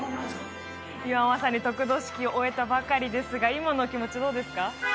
今まさに得度式終えたばかりですが今のお気持ちどうですか？